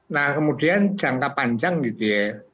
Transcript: nah kemudian jangka panjang gitu ya